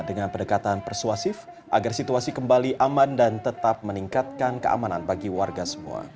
dengan pendekatan persuasif agar situasi kembali aman dan tetap meningkatkan keamanan bagi warga semua